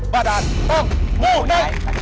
ว่าดันต้องมูไนท์